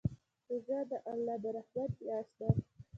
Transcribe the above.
روژه د الله د رحمت میاشت ده.